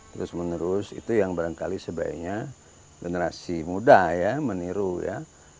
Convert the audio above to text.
terus menerus itu yang barangkali sebaiknya generasi muda ya meniru ya